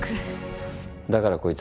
だからこいつは。